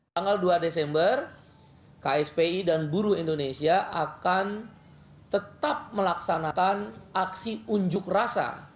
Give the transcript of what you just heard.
tanggal dua desember kspi dan buruh indonesia akan tetap melaksanakan aksi unjuk rasa